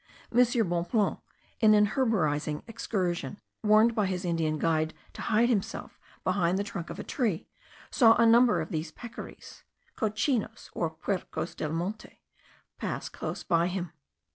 M. Bonpland, in an herborizing excursion, warned by his Indian guide to hide himself behind the trunk of a tree, saw a number of these peccaries (cochinos or puercos del monte) pass close by him.